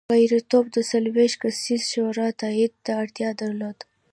غړیتوب د څلوېښت کسیزې شورا تایید ته اړتیا درلوده